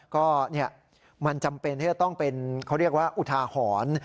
ก็มันจำเป็นที่จะต้องเป็นเขาเรียกว่าอุทาหรณ์